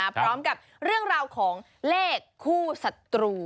พร้อมกับเรื่องราวของเลขคู่ศัตรู